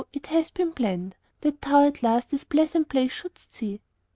it hath been planned That thou at last this pleasant place shouldst see.'